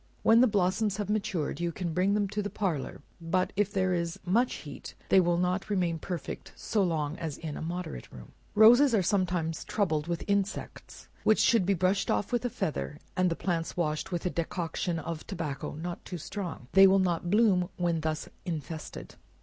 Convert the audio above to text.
When the blossoms have matured, you can bring them to the parlor; but if there is much heat, they will not remain perfect so long as in a moderate room. Roses are sometimes troubled with insects, which should be brushed off with a feather, and the plants washed with a decoction of tobacco, (not too strong,) they will not bloom when thus infested.